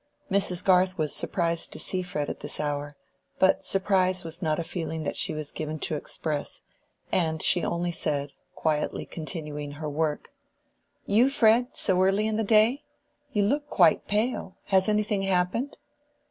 Mrs. Garth was surprised to see Fred at this hour, but surprise was not a feeling that she was given to express, and she only said, quietly continuing her work— "You, Fred, so early in the day? You look quite pale. Has anything happened?"